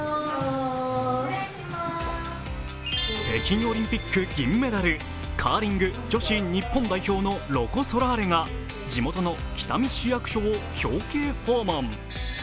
北京オリンピック銀メダルカーリング女子日本代表のロコ・ソラーレが地元の北見市役所を表敬訪問。